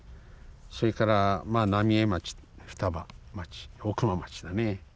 それから浪江町双葉町大熊町だね。